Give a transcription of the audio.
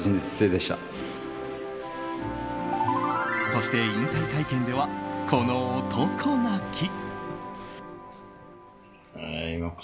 そして、引退会見ではこの男泣き。